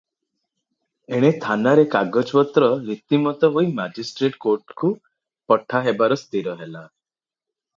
ଏଣେ ଥାନାରେ କାଗଜପତ୍ର ରୀତିମତ ହୋଇ ମାଜିଷ୍ଟ୍ରେଟ୍ କୋଟ୍କୁ ପଠା ହେବାର ସ୍ଥିର ହେଲା ।